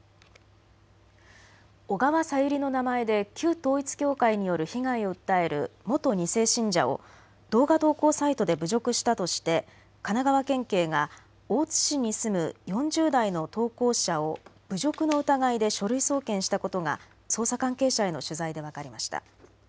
小川さゆりの名前で旧統一教会による被害を訴える元２世信者を動画投稿サイトで侮辱したとして神奈川県警が大津市に住む４０代の投稿者を侮辱の疑いで書類送検したことが捜査関係者への取材で分かりました。